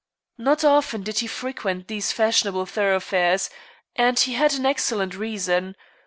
Not often did he frequent these fashionable thoroughfares, and he had an excellent reason.